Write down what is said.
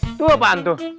itu apaan tuh